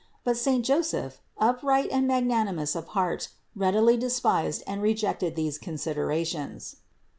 But saint Joseph, upright and magnanimous of heart, readily despised and rejected such considerations.